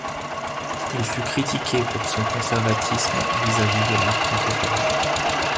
Il fut critiqué pour son conservatisme vis-à-vis de l'art contemporain.